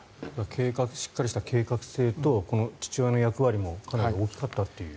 しっかりとした計画性と父親の役割もかなり大きかったと。